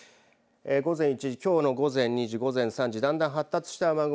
午前１時、きょうの午前２時午前３時だんだん発達した雨雲